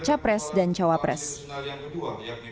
dari pemerintah pemerintah yang berpengaruh